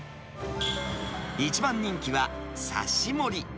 一番人気は、刺し盛。